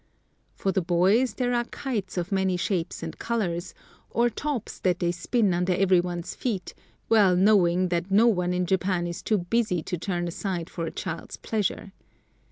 For the boys there are kites of many shapes and colors, or tops that they spin under every one's feet, well knowing that no one in Japan is too busy to turn aside for a child's pleasure.